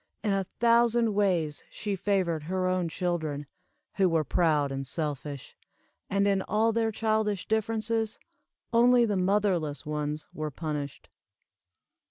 In a thousand ways she favored her own children, who were proud and selfish; and in all their childish differences, only the motherless ones were punished.